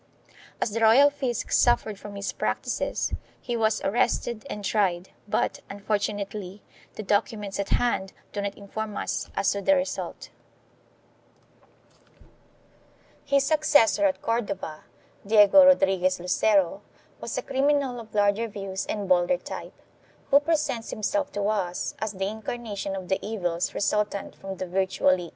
As the royal fisc suffered from his practices he was arrested and tried, but, unfor tunately, the documents at hand do not inform us as to the result.1 His successor at Cordova, Diego Rodriguez Lucero, was a criminal of larger views and bolder type, who presents himself to us as the incarnation of the evils resultant from the virtually 1 Archive de Simancas, Patronato real; Inquisition, Legajo unico, fol.